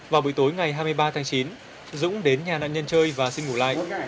vào buổi tối ngày hai mươi ba tháng chín dũng đến nhà nạn nhân chơi và sinh ngủ lại